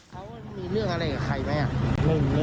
เขามีเรื่องอะไรกับใครไหม